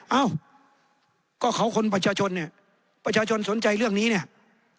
เอ้าก็เขาคนประชาชนเนี่ยประชาชนสนใจเรื่องนี้เนี่ย